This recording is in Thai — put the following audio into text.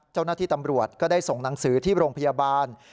เจ้าหน้าที่ตำรวจก็ได้ส่งหนังสือที่โรงพยาบาล